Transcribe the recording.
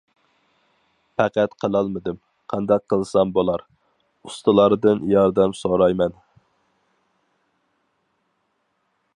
پەقەت قىلالمىدىم، قانداق قىلسام بولار، ئۇستىلاردىن ياردەم سورايمەن!